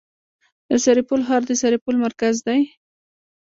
د سرپل ښار د سرپل مرکز دی